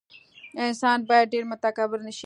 انسان باید ډېر متکبر نه شي.